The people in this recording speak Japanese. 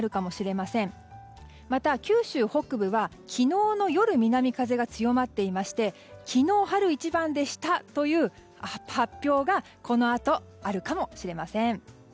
また、九州北部は昨日の夜南風が強まっていまして昨日、春一番でしたという発表がこのあと、あるかもしれません。